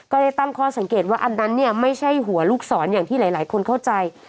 ได้ตั้งข้อสังเกตว่าอันนั้นเนี่ยไม่ใช่หัวลูกศรอย่างที่หลายคนเข้าใจ